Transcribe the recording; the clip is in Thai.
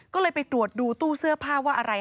ก็เลยไปตรวจดูตู้เสื้อผ้าว่าอะไร